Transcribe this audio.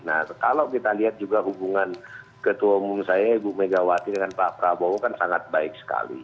nah kalau kita lihat juga hubungan ketua umum saya ibu megawati dengan pak prabowo kan sangat baik sekali